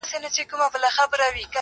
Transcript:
o خط د ټکي څخه شروع کېږي.